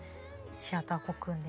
シアターコクーンで。